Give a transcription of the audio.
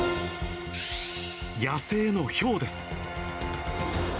野生のヒョウです。